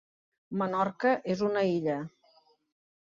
Menorca és una illa.